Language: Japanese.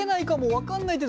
分かんないよ。